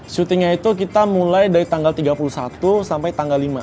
syutingnya itu kita mulai dari tanggal tiga puluh satu sampai tanggal lima